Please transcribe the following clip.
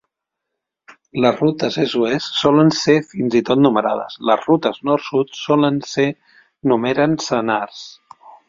Les rutes est-oest solen ser fins i tot numerades, les rutes nord-sud solen ser numeren senars.